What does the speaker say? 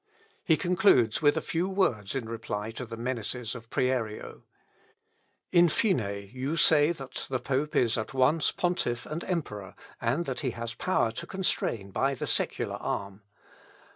He concludes with a few words in reply to the menaces of Prierio: "In fine, you say that the pope is at once pontiff and emperor, and that he has power to constrain by the secular arm.